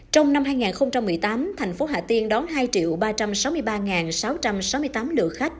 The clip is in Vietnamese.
trong năm hai nghìn một mươi tám thành phố hà tiên đón hai ba trăm sáu mươi ba sáu trăm sáu mươi tám lượt khách